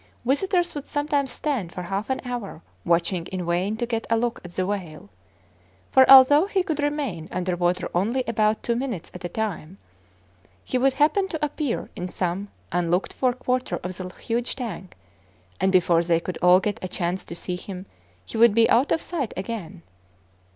Visitors would sometimes stand for half an hour, watching in vain to get a look at the whale; for, although he could remain under water only about two minutes at a time, he would happen to appear in some unlooked for quarter of the huge tank, and before they could all get a chance to see him, he would be out of sight again.